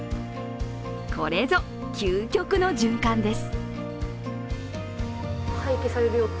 これぞ、究極の循環です。